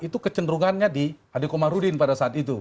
itu kecenderungannya di adekomarudin pada saat itu